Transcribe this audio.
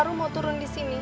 ru mau turun disini